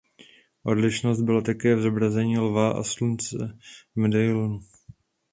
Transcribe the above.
Odlišnost byla také v zobrazení lva a slunce v medailonu.